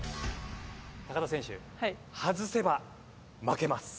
田選手外せば負けます。